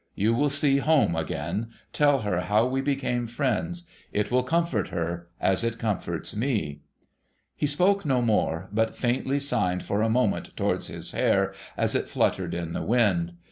You will see Home again. Tell her how we became friends. It will comfort her, as it comforts me.' He spoke no more, but faintly signed for a moment towards his hair as it fluttered in the wind.